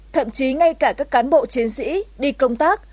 thậm chí ngay cả các cán bộ chiến sĩ đi công tác